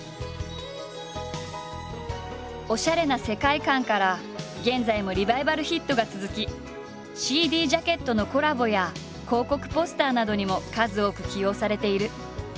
おしゃれな世界観から現在もリバイバルヒットが続きＣＤジャケットのコラボや広告ポスターなどにも数多く起用されている。